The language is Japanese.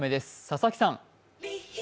佐々木さん。